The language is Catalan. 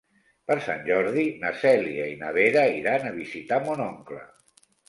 Per Sant Jordi na Cèlia i na Vera iran a visitar mon oncle.